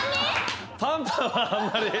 「パンパン」はあんまり。